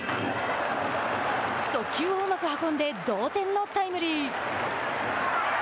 速球をうまく運んで同点のタイムリー。